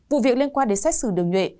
vụ việc liên quan đến xét xử đường nhuệ